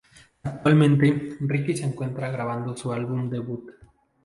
Actualmente, Ricky se encuentra grabando su álbum debut.